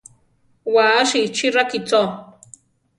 Wasi chi rakícho.